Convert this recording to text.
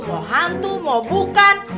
mau hantu mau bukan